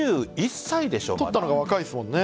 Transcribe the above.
取ったのが若いですからね。